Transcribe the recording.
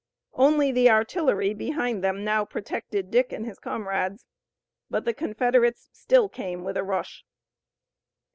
Only the artillery behind them now protected Dick and his comrades. But the Confederates still came with a rush.